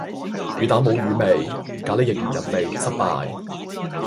魚蛋冇魚味，咖喱亦唔入味，失敗